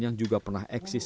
yang juga pernah eksis